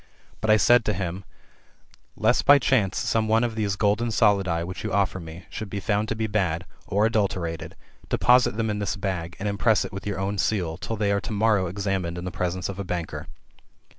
But I said to him, 'Lest by chance some one of these golden solidi which you offer me, should be found to be bad, or adulterated, deposit them in this hag, and impress it with your own seal, till they are to morrow examined in the presence of a banker.'